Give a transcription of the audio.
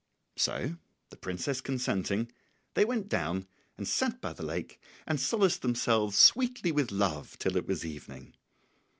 ] So the princess consenting, they went down and sat by the lake and solaced themselves sweetly with love till it was evening.